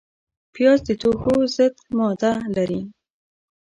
پیاز د توښو ضد ماده لري